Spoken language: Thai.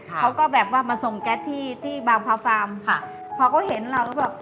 เขาก็แบบว่ามาส่งแก๊สที่ที่บางพระฟาร์มค่ะพอเขาเห็นเราแล้วแบบ